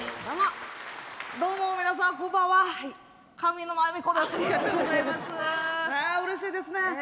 あうれしいですね。